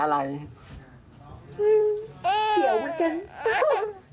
อืมเขียวเหมือนกัน